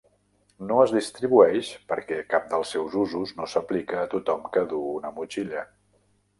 No es distribueix perquè cap dels seus usos no s'aplica a tothom qui duu una motxilla.